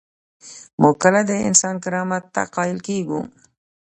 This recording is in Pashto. موږ کله د انسان کرامت ته قایل کیږو؟